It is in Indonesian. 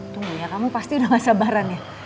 tunggu ya kamu pasti udah gak sabaran ya